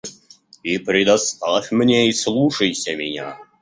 И предоставь мне, и слушайся меня.